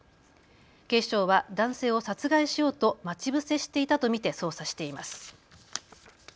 警視庁は男性を殺害しようと待ち伏せしていたと見て捜査しています。